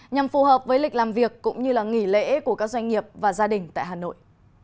nhằm phù hợp với lịch làm việc cũng như nghỉ lễ của các doanh nghiệp và gia đình tại hà nội